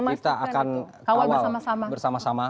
kita akan kawal bersama sama